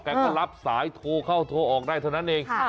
ก็รับสายโทรเข้าโทรออกได้เท่านั้นเอง